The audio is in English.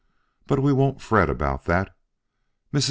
But we won't fret about that. Mrs.